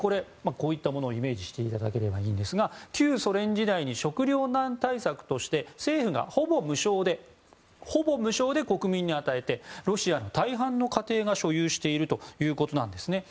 こういったものをイメージしていただければいいんですが旧ソ連時代に食糧難対策として政府がほぼ無償で国民に与えてロシアの大半の家庭が所有しているということです。